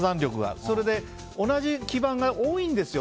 同じ基盤が多いんですよ